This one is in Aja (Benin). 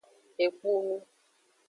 Ekpunu.